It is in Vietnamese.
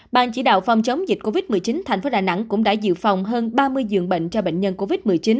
ban chỉ đạo phòng chống dịch covid một mươi chín thành phố đà nẵng cũng đã dự phòng hơn ba mươi dường bệnh cho bệnh nhân covid một mươi chín